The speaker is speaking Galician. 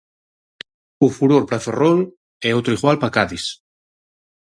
O Furor para Ferrol e outro igual para Cádiz.